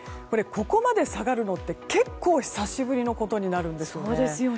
ここまで下がるのって結構久しぶりのことになるんです。